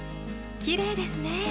きれいですね。